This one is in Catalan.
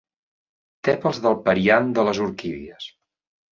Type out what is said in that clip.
Tèpals del periant de les orquídies.